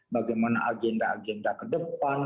bagaimana agenda agenda ke depan